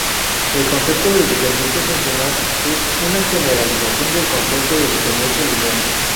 El concepto de dependencia funcional es una generalización del concepto de dependencia lineal.